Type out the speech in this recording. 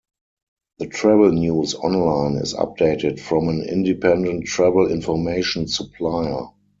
The travel news online is updated from an independent travel information supplier.